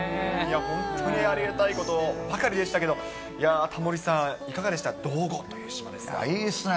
本当にありがたいことばかりでしたけど、いや、タモリさん、いかがでした、いいっすね。